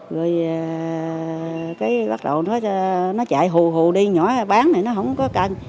rồi bắt đầu nó chạy hù hù đi nhỏ bán thì nó không có cạnh